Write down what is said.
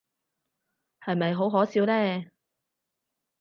係咪好可笑呢？